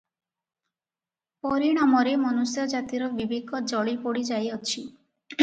ପରିଣାମରେ ମନୁଷ୍ୟଜାତିର ବିବେକ ଜଳିପୋଡ଼ି ଯାଇଅଛି ।